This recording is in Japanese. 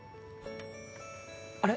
あれ？